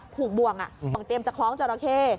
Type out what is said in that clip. ปลูกบ่วงครองจอดาเค้